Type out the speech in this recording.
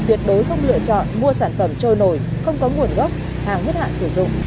tuyệt đối không lựa chọn mua sản phẩm trôi nổi không có nguồn gốc hàng hết hạn sử dụng